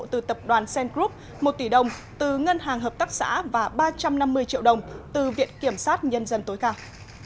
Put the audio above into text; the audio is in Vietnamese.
từ tập đoàn sen group một tỷ đồng từ ngân hàng hợp tác xã và ba trăm năm mươi triệu đồng từ viện kiểm sát nhân dân tối cao